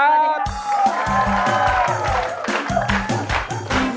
นะฮ่าสุดยอด